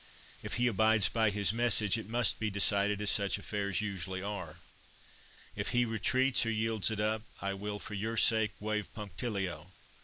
If he abides by his message, it must be decided as such affairs usually are. If he retreats or yields it up, I will, for your sake, wave punctilio.